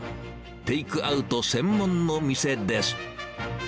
テイクアウト専門の店です。